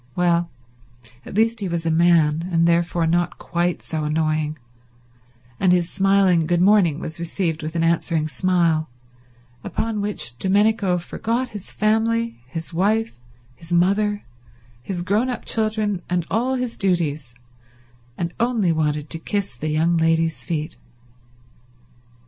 Well, at least he was a man, and therefore not quite so annoying, and his smiling good morning was received with an answering smile; upon which Domenico forgot his family, his wife, his mother, his grown up children and all his duties, and only wanted to kiss the young lady's feet.